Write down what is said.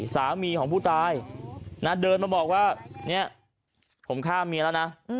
สามีของผู้ตายนะเดินมาบอกว่าเนี่ยผมฆ่าเมียแล้วนะ